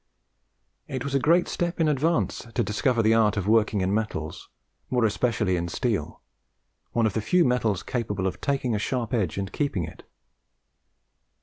It was a great step in advance to discover the art of working in metals, more especially in steel, one of the few metals capable of taking a sharp edge and keeping it.